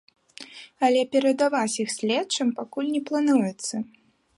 Але перадаваць іх следчым пакуль не плануецца.